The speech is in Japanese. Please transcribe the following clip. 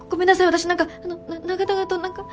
私何かあの長々と何か。